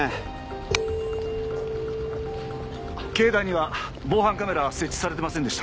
境内には防犯カメラは設置されていませんでした。